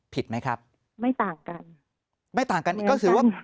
ผิดไหมครับไม่ต่างกันไม่ต่างกันอีกก็คือว่า